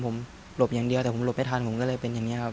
ผมหลบอย่างเดียวแต่ผมหลบไม่ทันผมก็เลยเป็นอย่างนี้ครับ